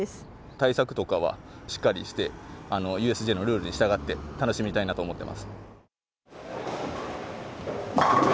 対策とかはしっかりして、ＵＳＪのルールに従って楽しみたいなと思っています。